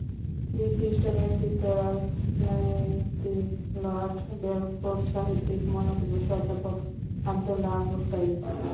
বিশিষ্ট ব্যক্তিত্ব—রাজনীতিক Lord Balfour, সাহিত্যিক মনোজ বসু, অধ্যাপক আবদুল্লাহ আবু সাঈদ।